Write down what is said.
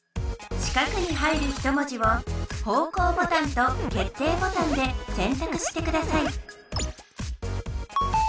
四角に入る一文字を方向ボタンと決定ボタンでせんたくしてください